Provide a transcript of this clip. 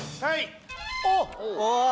はい。